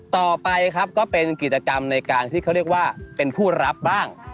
ต่อไปครับก็เป็นกิจกรรมในการที่เขาเรียกว่าเป็นผู้รับบ้าง